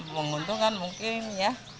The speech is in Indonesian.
menguntungkan mungkin ya